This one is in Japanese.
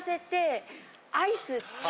アイス。